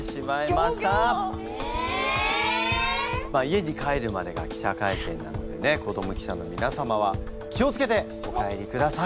家に帰るまでが記者会見なのでね子ども記者のみなさまは気を付けてお帰りください！